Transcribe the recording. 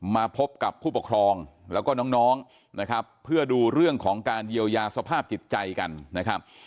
มาพบกับผู้ปกครองแล้วก็น้องนะครับเพื่อดูเรื่องของการเยียวยาสภาพจิตใจกันนะครับ